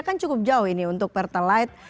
kan cukup jauh ini untuk petra lite